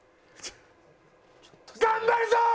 頑張るぞー！